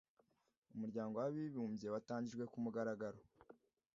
umuryango wabibumbye watangijwe kumugaragaro